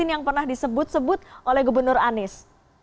yang pernah disebut sebut oleh gubernur anies